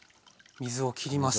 水をきります。